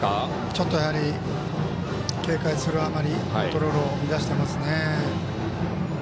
ちょっと、警戒するあまりコントロールを乱してますね。